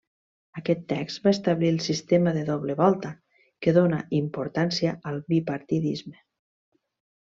Aquest text va establir el sistema de doble volta que dóna importància al bipartidisme.